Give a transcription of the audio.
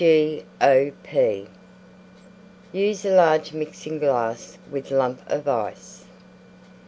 G.O.P. Use a large Mixing glass with Lump of Ice.